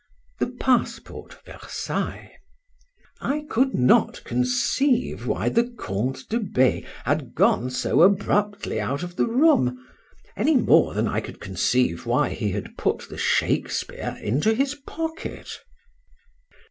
THE PASSPORT. VERSAILLES. I COULD not conceive why the Count de B— had gone so abruptly out of the room, any more than I could conceive why he had put the Shakespeare into his pocket.